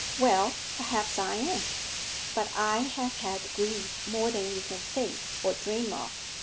Well, perhaps I am; but I have had grief more than you can think or dream of.